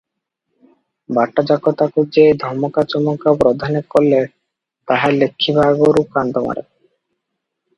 ବାଟଯାକ ତାକୁ ଯେ ଧମକା ଚମକା ପ୍ରଧାନେ କଲେ ତାହା ଲେଖିବା ଆଗରୁ କାନ୍ଦମାଡ଼େ ।